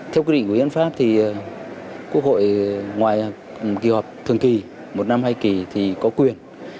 theo quy định của hiến pháp thì quốc hội ngoài kỳ họp thường kỳ một năm hai kỳ thì có quyền